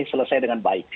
selesai dengan baik